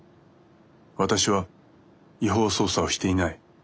私は違法捜査をしていない。